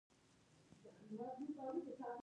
د چهلستون ماڼۍ په کابل کې ده